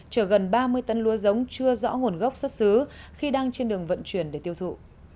chở gần ba mươi tấn lúa giống chưa rõ nguồn gốc xuất xứ khi đang trên đường vận chuyển để tiêu thụ